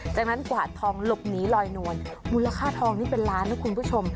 จากนั้นกวาดทองหลบหนีลอยนวลมูลค่าทองนี่เป็นล้านนะคุณผู้ชม